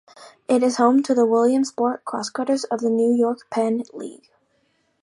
It is home to the Williamsport Crosscutters of the New York-Penn League.